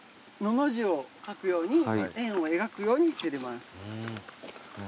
の字を書くように円を描くようにすります。